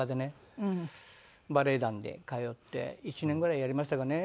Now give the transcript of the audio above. バレエ団で通って１年ぐらいやりましたかね。